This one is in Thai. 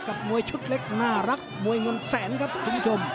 มวยชุดเล็กน่ารักมวยเงินแสนครับคุณผู้ชม